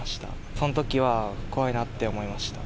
そのときは、怖いなって思いました。